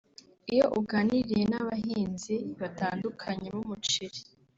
Iyo uganiriye n’abahinzi batandukanye b’umuceli